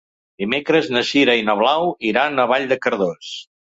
Dimecres na Sira i na Blau iran a Vall de Cardós.